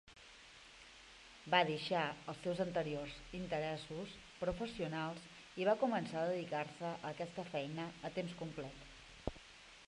Va deixar els seus anteriors interessos professionals i va començar a dedicar-se a aquesta feina a temps complet.